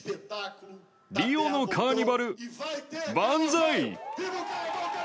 リオのカーニバル万歳！